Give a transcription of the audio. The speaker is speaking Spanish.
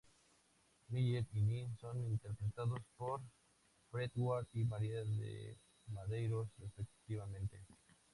Miller y Nin son interpretados por Fred Ward y María de Medeiros, respectivamente.